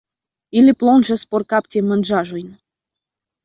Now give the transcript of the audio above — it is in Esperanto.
Ili plonĝas por kapti manĝaĵojn.